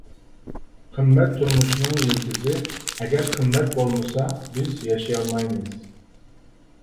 قىممەت تۇرمۇشىنىڭ يىلتىزى، ئەگەر قىممەت بولمىسا، بىز ياشىيالمايمىز.